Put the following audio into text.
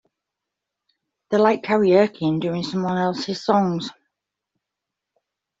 They like karaoke and doing someone else's songs.